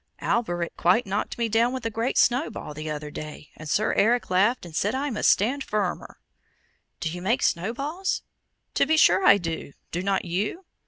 Alberic quite knocked me down with a great snowball the other day, and Sir Eric laughed, and said I must stand firmer." "Do you make snowballs?" "To be sure I do! Do not you?"